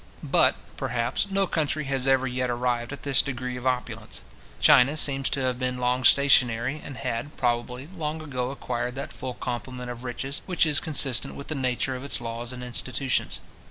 But, perhaps, no country has ever yet arrived at this degree of opulence. China seems to have been long stationary, and had, probably, long ago acquired that full complement of riches which is consistent with the nature of its laws and institutions.